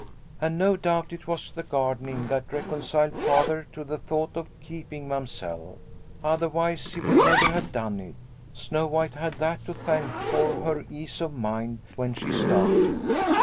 " Ah, no doubt it was the gardening that reconciled Father to the thought of keeping Mamsell. Otherwise he would never have done it. Snow White had that to thank for her ease of mind when she started.